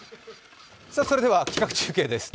それでは企画中継です。